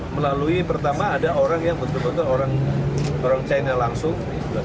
melalui pertama ada orang yang betul betul orang china langsung